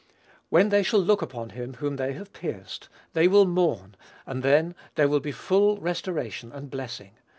When they shall look upon him whom they have pierced, they will mourn, and then there will be full restoration and blessing.